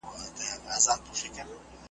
پاکوالی روغتیا ساتي.